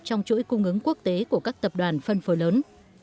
trong chuỗi cung ứng quốc tế của các tập đoàn phân phối lớn